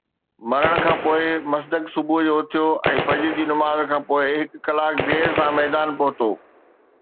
مرڻ کان پوءِ، مصدق صبح جو اٿيو ۽ فجر جي نماز کان پوءِ هڪ ڪلاڪ دير سان ميدان پهتو.